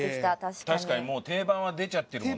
確かにもう定番は出ちゃってるもんね。